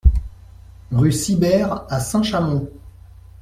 Rue Sibert à Saint-Chamond